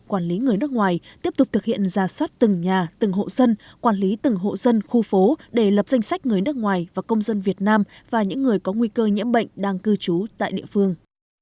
quản lý người nước ngoài tiếp tục thực hiện ra soát từng nhà từng hộ dân quản lý từng hộ dân khu phố để lập danh sách người nước ngoài và công dân việt nam và những người có nguy cơ nhiễm bệnh đang cư trú tại địa phương